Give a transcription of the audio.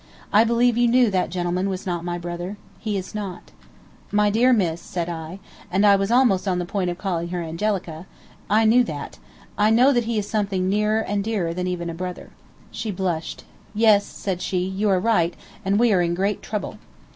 I believe you knew that gentleman was not my brother. He is not." "My dear miss," said I I was almost on the point of calling her Angelica "I knew that. I know that he is something nearer and dearer than even a brother." She blushed. "Yes," said she, "you are right, and we are in great trouble."